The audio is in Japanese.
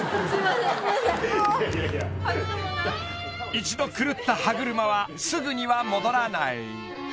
［一度狂った歯車はすぐには戻らない］